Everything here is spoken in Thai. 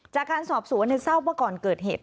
จากการสอบสู่อันนี้เศร้าว่าก่อนเกิดเหตุ